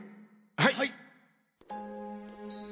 はい。